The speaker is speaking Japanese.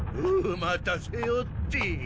待たせおって。